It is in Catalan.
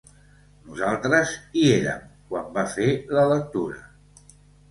Nosaltres hi érem, quan va fer la lectura.